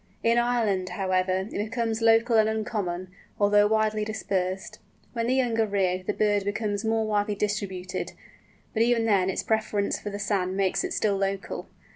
In Ireland, however, it becomes local and uncommon, although widely dispersed. When the young are reared the bird becomes more widely distributed, but even then its preference for the sand makes it still local.